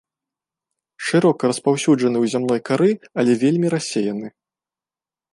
Шырока распаўсюджаны ў зямной кары, але вельмі рассеяны.